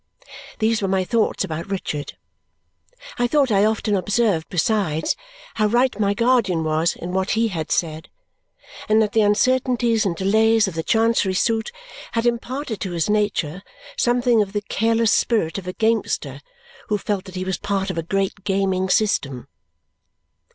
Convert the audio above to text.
These were my thoughts about Richard. I thought I often observed besides how right my guardian was in what he had said, and that the uncertainties and delays of the Chancery suit had imparted to his nature something of the careless spirit of a gamester who felt that he was part of a great gaming system.